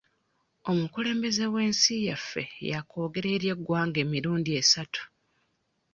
Omukulembeze w'ensi yaffe yaakoogera eri eggwanga emirundi esatu.